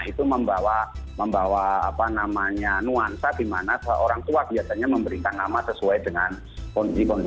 itu membawa apa namanya nuansa dimana orang tua biasanya memberikan nama sesuai dengan kondisi kondisi yang mereka punya